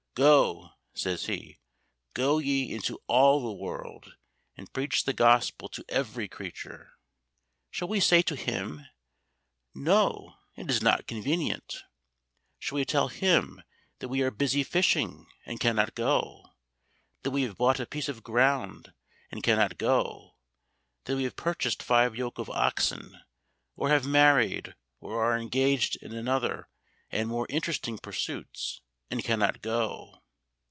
"Go," says He, "go ye into all the world, and preach the Gospel to every creature." Shall we say to Him, "No, it is not convenient"? shall we tell Him that we are busy fishing and cannot go? that we have bought a piece of ground and cannot go? that we have purchased five yoke of oxen, or have married, or are engaged in other and more interesting pursuits, and cannot go?